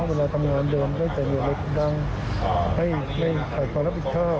เขาต้องควบคุมดูแลผมก็จะกำหนิแล้วก็กำหนิผ่านเขา